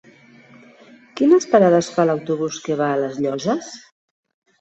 Quines parades fa l'autobús que va a les Llosses?